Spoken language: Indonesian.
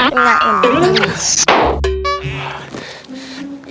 enggak enggak enggak